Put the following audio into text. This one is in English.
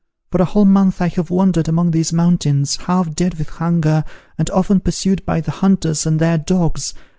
For a whole month I have wandered among these mountains, half dead with hunger, and often pursued by the hunters and their dogs.